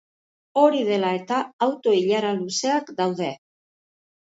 Hori dela eta, auto-ilara luzeak daude.